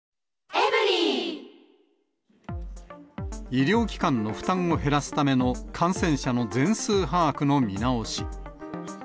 医療機関の負担を減らすための感染者の全数把握の見直し。